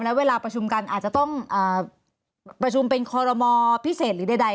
และเวลาประชุมกันอาจจะต้องประชุมเป็นคอรมอพิเศษหรือใด